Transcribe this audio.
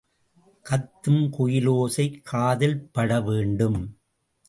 கத்தும் குயிலோசை காதில்பட வேண்டும்.